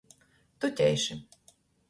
Tutejši.